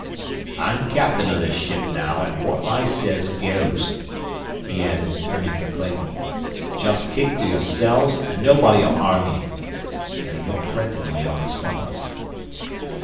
"I'm captain of this ship now, an' what I says goes," he added, turning to Clayton. "Just keep to yourselves, and nobody'll harm ye," and he looked threateningly on his fellows.